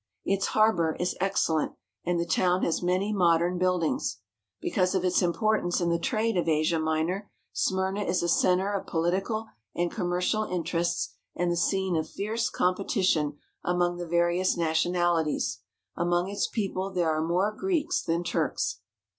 Its harbour is excellent, and the town has many modern buildings. Because of its importance in the trade of Asia Minor, Smyrna is a centre of political and commercial interests and the scene of fierce competition among the various nationali ties. Among its people there are more Greeks than Turks.